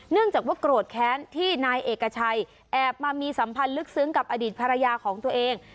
เนื่องจากว่าโกรธแค้นที่นายเอกชัยแอบมามีสัมพันธ์ลึกซึ้งกับอดีตภรรยาของตัวเอง